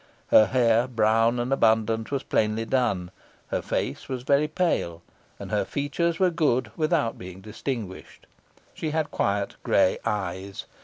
Her hair, brown and abundant, was plainly done, her face was very pale, and her features were good without being distinguished. She had quiet gray eyes.